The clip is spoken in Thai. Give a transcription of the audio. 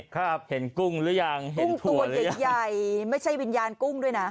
ครับเห็นกุ้งหรือยังเห็นถั่วหรือยังตัวเด็ดใหญ่ไม่ใช่วิญญาณกุ้งด้วยน่ะ